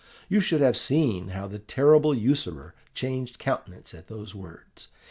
You should have seen how the terrible usurer changed countenance at these words.